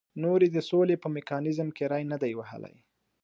نور یې د سولې په میکانیزم کې ری نه دی وهلی.